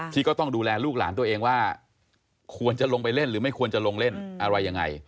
ก็ต้องดูแลลูกหลานตัวเองว่าควรจะลงไปเล่นหรือไม่ควรจะลงเล่นอะไรยังไง